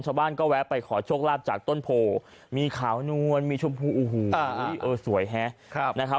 ชาวบ้านก็แวะไปขอโชคลาภจากต้นโพมีขาวนวลมีชมพูโอ้โหสวยฮะนะครับ